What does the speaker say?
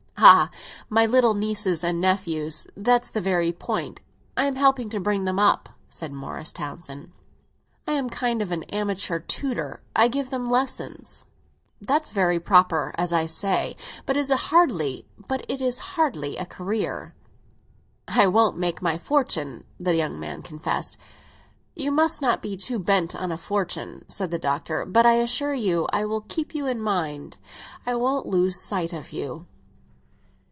"Ah, my little nephews and nieces—that's the very point! I am helping to bring them up," said Morris Townsend. "I am a kind of amateur tutor; I give them lessons." "That's very proper, as I say; but it is hardly a career." "It won't make my fortune!" the young man confessed. "You must not be too much bent on a fortune," said the Doctor. "But I assure you I will keep you in mind; I won't lose sight of you!"